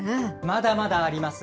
まだまだあります。